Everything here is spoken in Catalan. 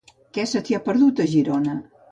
Què se t'hi ha perdut, a Girona?